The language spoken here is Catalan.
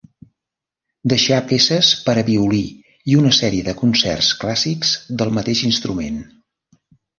Deixà peces per a violí i una sèrie de concerts clàssics del mateix instrument.